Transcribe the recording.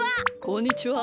こんにちは。